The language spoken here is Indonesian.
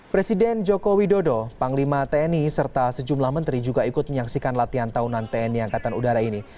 presiden joko widodo panglima tni serta sejumlah menteri juga ikut menyaksikan latihan tahunan tni angkatan udara ini